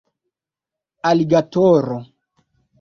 aligatoro